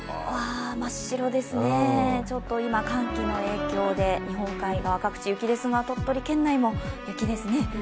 真っ白ですね、今、寒気の影響で日本海側、各地雪ですが、鳥取県内も雪ですね。